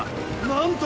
なんと！